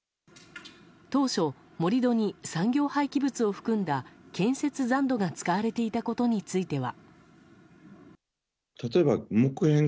当初、盛り土に産業廃棄物を含んだ建設残土が使われていたことについては。